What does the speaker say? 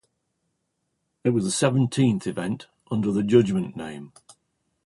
It was the seventeenth event under the Judgement name.